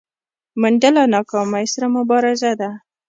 منډه له ناکامۍ سره مبارزه ده